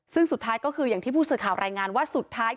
ซึ่งสุดท้ายก็คืออย่างที่ผู้สื่อข่าวรายงานว่าสุดท้าย